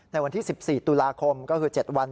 ในวันที่๑๔ตุลาคมก็คือ๗วัน